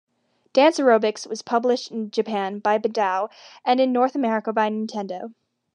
Dance Aerobics was published in Japan by Bandai and in North America by Nintendo.